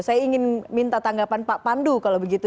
saya ingin minta tanggapan pak pandu kalau begitu